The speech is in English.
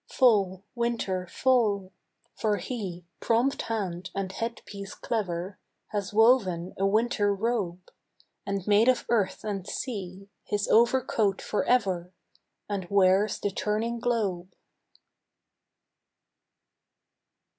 Fall, winter, fall; for he, Prompt hand and headpiece clever, Has woven a winter robe, And made of earth and sea His overcoat for ever, And wears the turning globe.